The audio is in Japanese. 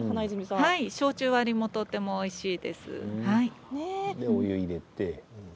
焼酎割りもとてもおいしいです。